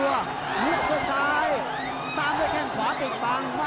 ยุบด้วยซ้ายตามด้วยแข้งขวาติดบัง